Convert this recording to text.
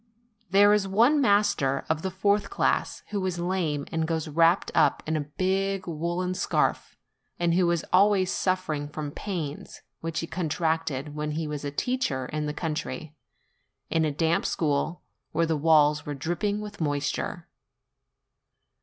There is one master of the fourth class, who is lame and goes wrapped up in a big woollen scarf, and who is always suffering from pains which he contracted when he was a teacher in the country, in a damp school, where the walls were dripping with moisture.